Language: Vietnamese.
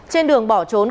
trên đường bỏ trốn